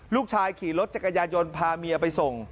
ขี่รถจักรยายนพาเมียไปส่ง